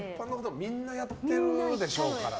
みんなやってるでしょうからね。